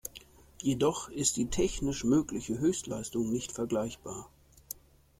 Jedoch ist die technisch mögliche Höchstleistung nicht vergleichbar.